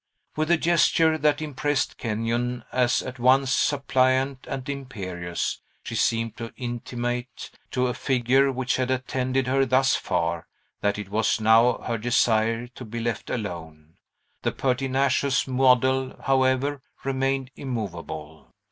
With a gesture that impressed Kenyon as at once suppliant and imperious, she seemed to intimate to a figure which had attended her thus far, that it was now her desire to be left alone. The pertinacious model, however, remained immovable.